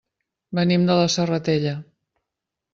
Venim de la Serratella.